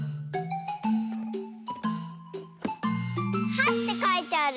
「は」ってかいてある。